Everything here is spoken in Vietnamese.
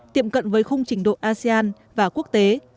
tiệm cận với khung trình độ asean và quốc tế